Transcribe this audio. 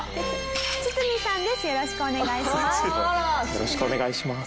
よろしくお願いします。